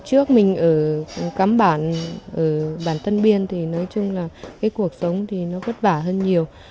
trước mình ở cắm bản ở bản tân biên thì nói chung là cái cuộc sống thì nó vất vả hơn nhiều